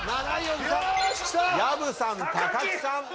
薮さん木さん。